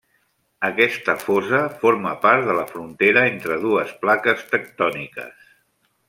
Aquesta fossa forma part de la frontera entre dues plaques tectòniques.